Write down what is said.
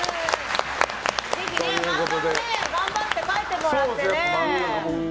ぜひ漫画も頑張って描いてもらってね。